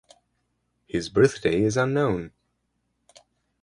His birthday is unknown.